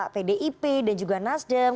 pdip dan juga nasdem